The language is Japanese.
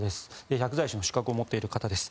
薬剤師の資格を持っている方です。